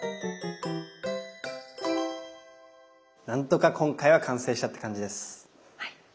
何とか今回は完成したって感じです。